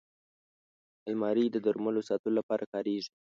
الماري د درملو ساتلو لپاره کارېږي